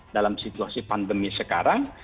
dalam situasi pandemi sekarang